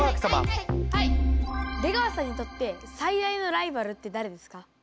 出川さんにとって最大のライバルって誰ですか？